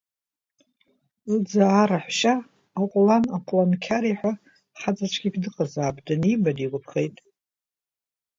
Лыӡаа раҳәшьа, Аҟәлан Аҟәланқьари ҳәа хаҵа цәгьак дыҟазаап, даниба, дигәаԥхеит.